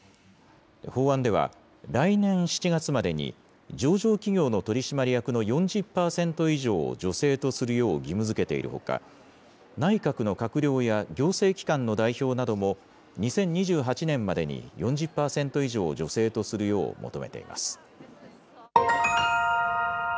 法案では、来年７月までに上場企業の取締役の４０％以上を女性とするよう義務づけているほか、内閣の閣僚や行政機関の代表なども、２０２８年までに４０％以上を女性とするよう求めています。